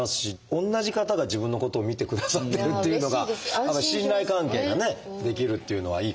同じ方が自分のことを診てくださってるっていうのが信頼関係がね出来るっていうのはいいかなと思いますね。